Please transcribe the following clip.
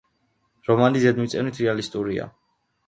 რომანი ზედმიწევნით რეალისტურია.